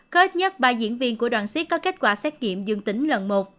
có ít nhất ba diễn viên của đoàn siết có kết quả xét nghiệm dương tính lần một